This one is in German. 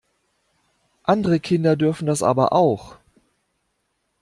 Andere Kinder dürfen das aber auch!